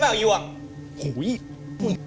บอกแล้วไงให้กลับ